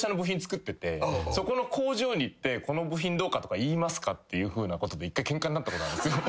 そこの工場に行って「この部品どうか」とか言いますかって１回ケンカになったことがあるんですよ。